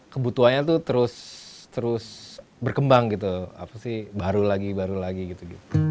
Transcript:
kebutuhannya tuh terus berkembang gitu baru lagi baru lagi gitu